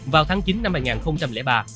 vào tháng chín năm hai nghìn ba